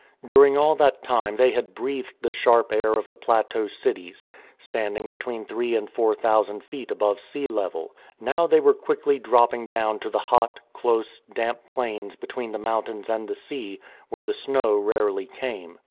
During all that time they had breathed the sharp air of the plateau cities — standing between three and four thousand feet above sea level. Now they were quickly dropping down to the hot, close, damp plains between the mountains and the sea, where the snow rarely came.